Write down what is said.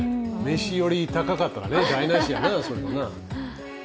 飯より高かったら台なしやな、それは。